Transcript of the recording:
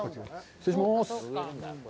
失礼します。